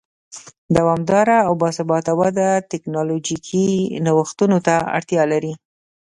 دوامداره او با ثباته وده ټکنالوژیکي نوښتونو ته اړتیا لري.